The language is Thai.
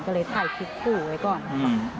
ก็เลยถ่ายคลิปคู่ไว้ก่อนค่ะ